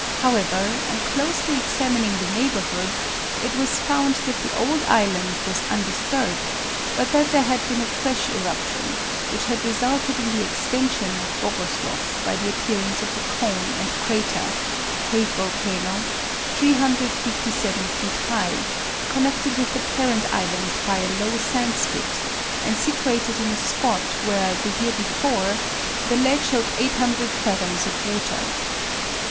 However, on closely examining the neighborhood, it was found that the old island was undisturbed, but that there had been a fresh eruption, which had resulted in the extension of Bogosloff by the appearance of a cone and crater (Hague Volcano), 357 feet high, connected with the parent island by a low sand spit, and situated in a spot where, the year before, the lead showed 800 fathoms of water.